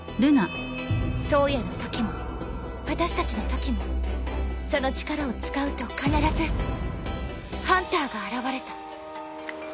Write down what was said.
颯也のときもあたしたちのときもその力を使うと必ずハンターが現れた。